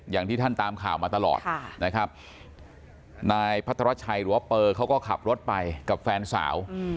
อย่างที่ท่านตามข่าวมาตลอดนะครับนายพัทรชัยหรือว่าเปอร์เขาก็ขับรถไปกับแฟนสาว